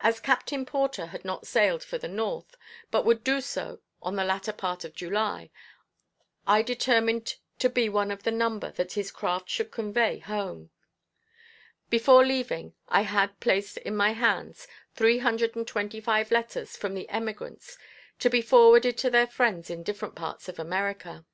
As Captain Porter had not sailed for the north, but would do so on the latter part of July, I determined to be one of the number that his craft should convey home. Before leaving I had placed in my hands three hundred and twenty five letters from the emigrants to be forwarded to their friends in different parts of America.